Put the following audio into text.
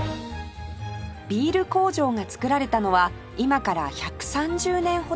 ビール工場が造られたのは今から１３０年ほど前